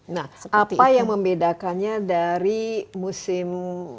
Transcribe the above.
nah apa yang membedakannya dari musim